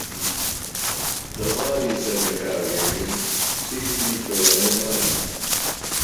دەزانی چەک لەکار بێنی، کچیش بی تۆرمەی مادی